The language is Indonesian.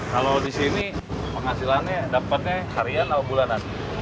kalau di sini penghasilannya dapatnya harian atau bulanan